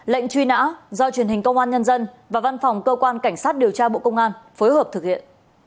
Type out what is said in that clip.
lệnh truy nã do truyền hình công an nhân dân và văn phòng cơ quan cảnh sát điều tra bộ công an phối hợp thực hiện